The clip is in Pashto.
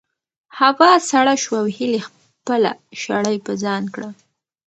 هوا سړه شوه او هیلې خپله شړۍ په ځان کړه.